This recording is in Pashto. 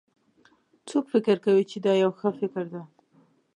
څوک فکر کوي چې دا یو ښه فکر ده